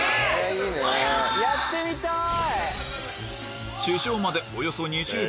やってみたい！